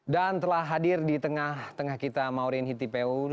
dan telah hadir di tengah tengah kita maureen hitipeur